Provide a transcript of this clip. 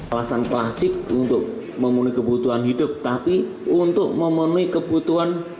alasan klasik untuk memenuhi kebutuhan hidup tapi untuk memenuhi kebutuhan